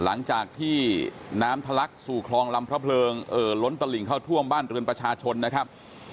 หลังจากที่น้ำทะลักสู่คลองลำพระเพลิงเอ่อล้นตลิ่งเข้าท่วมบ้านเรือนประชาชนนะครับ